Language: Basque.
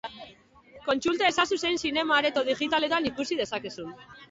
Kontsulta ezazu zein zinema-areto digitaletan ikusi dezakezun.